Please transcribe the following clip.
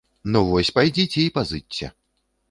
Ну вось, пайдзіце і пазычце.